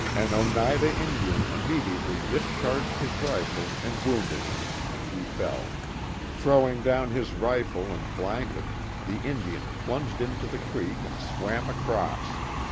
An Oneida Indian immediately discharged his rifle and wounded him, and he fell. Throwing down his rifle and blanket, the Indian plunged into (he creek and swam across.